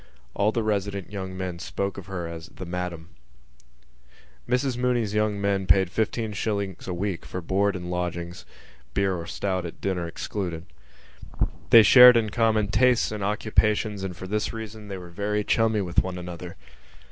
All the resident young men spoke of her as The Madam. Mrs Mooney's young men paid fifteen shillings a week for board and lodgings (beer or stout at dinner excluded). They shared in common tastes and occupations and for this reason they were very chummy with one another.